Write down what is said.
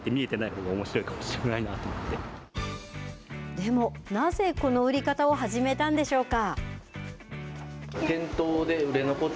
でも、なぜこの売り方を始めたんでしょうか。